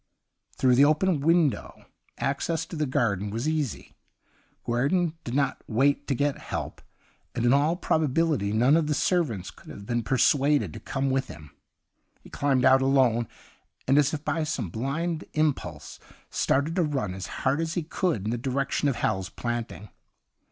Through the open window access to the garden was easy. Guerdon did not wait to get help ; and in all probability none of the servants could have been persuaded to come with him. He climbed out alone, and, as if by some blind impulse, started to run as hard as he could in the direction of Hal's Planting.